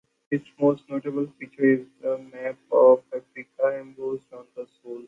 Its most notable feature is the Map of Africa embossed on the sole.